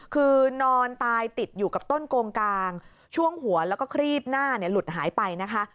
คือนอนตายติดอยู่กับต้นโกงกลางช่วงหัวแล้วก็ครีบหน้าหลุดหายไปนะคะ